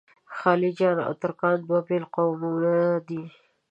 خلجیان او ترکان دوه بېل قومونه دي.